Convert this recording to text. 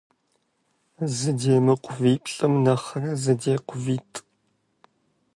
Зэдемыкъу виплӀым нэхърэ, зэдекъу витӀ.